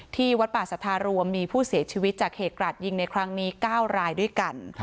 ที่วัดป่าสัทธารวมมีผู้เสียชีวิตจากเหตุกราดยิงในครั้งนี้๙รายด้วยกัน